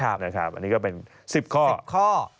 อันนี้ก็เป็น๑๐ข้อ